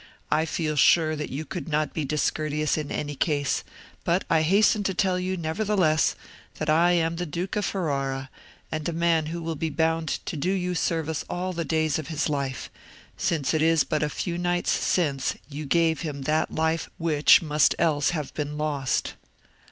"I feel sure that you could not be discourteous in any case; but I hasten to tell you, nevertheless, that I am the Duke of Ferrara, and a man who will be bound to do you service all the days of his life, since it is but a few nights since you gave him that life which must else have been lost."